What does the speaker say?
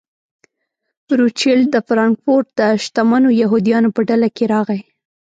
روچیلډ د فرانکفورټ د شتمنو یهودیانو په ډله کې راغی.